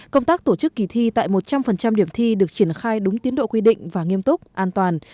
công tác tổ chức kỳ thi tại một trăm linh điểm thi được triển khai đúng tiến độ quy định và nghiêm túc an toàn